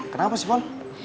kenapa sih pol